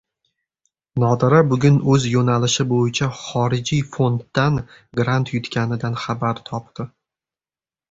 Nodira bugun o`z yo`nalishi bo`yicha xorijiy fonddan grant yutganidan xabar topdi